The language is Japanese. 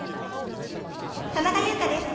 田中優蘭です。